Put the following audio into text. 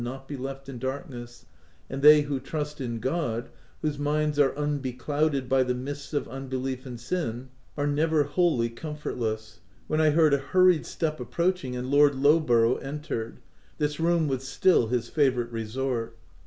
5 not be left in darkness, and they who trust in God — whose minds are unbeclouded by the mists of unbelief and sin, are never wholly comfortless," — when I heard a hurried step approaching, and Lord Lowborough entered — this room was still his favourite resort.